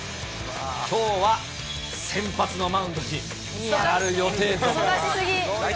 きょうは先発のマウンドに上がる予定です。